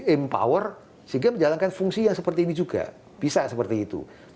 empower sehingga menjalankan fungsi yang seperti ini juga bisa seperti itu